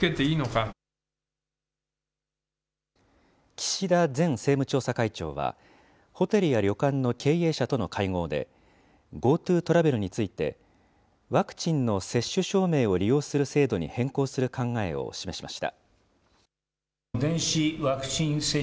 岸田前政務調査会長は、ホテルや旅館の経営者との会合で、ＧｏＴｏトラベルについて、ワクチンの接種証明を利用する制度に変更する考えを示しました。